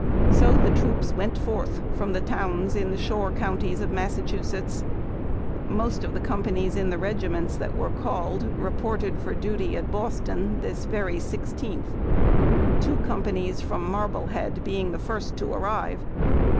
So the troops went forth from the towns in the shore counties of Massachusetts. Most of the companies in the regiments that were called reported for duty at Boston this ADJUTANT HINKS NOTIFYING CAPTAIN KNOTT V. JIAKTIN. very 16th — two companies from Marblehead being the first to arrive.